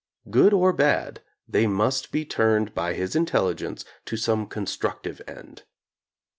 Good or bad, they must be turned by his intelligence to some constructive end.